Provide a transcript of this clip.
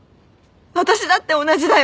私だって同じだよ。